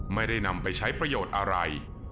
ไม่ได้นำไปใช้ประโยชน์อะไร